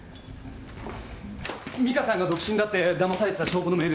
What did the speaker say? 美香さんが独身だってだまされてた証拠のメールです。